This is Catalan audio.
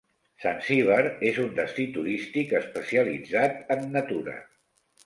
Zanzíbar és un destí turístic especialitzat en natura.